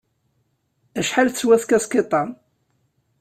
Acḥal teswa tkaskiḍt-a?